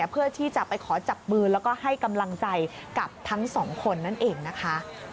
เพื่อที่จะไปขอจับมือแล้วก็ให้กำลังใจกับทั้งสองคนนั่นเองนะคะ